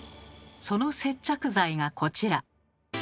その接着剤がこちら。